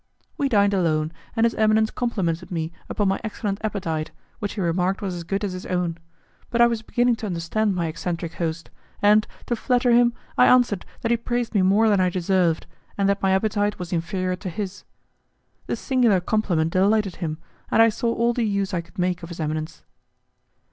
We dined alone, and his eminence complimented me upon my excellent appetite, which he remarked was as good as his own; but I was beginning to understand my eccentric host, and, to flatter him, I answered that he praised me more than I deserved, and that my appetite was inferior to his. The singular compliment delighted him, and I saw all the use I could make of his eminence.